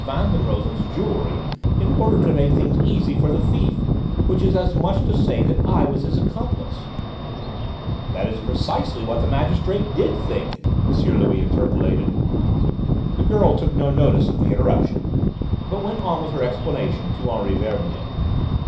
Van den Rosen's jewellery in order to make things easy for the thief, which is as much as to say that I was his accomplice." "That is precisely what the magistrate did think," M. Louis interpolated. The girl took no notice of the interruption, but went on with her explanation to Henri Verbier.